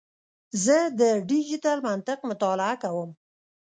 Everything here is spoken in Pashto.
زه د ډیجیټل منطق مطالعه کوم.